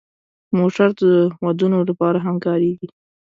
موټر د ودونو لپاره هم کارېږي.